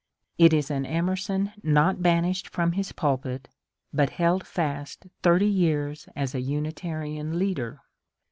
It is an Emerson not banished from his pulpit, but held fast thirty years as a Unitarian leader